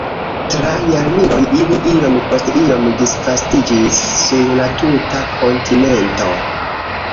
Tra jarmiloj ili iom post iom disvastiĝis sur la tuta kontinento.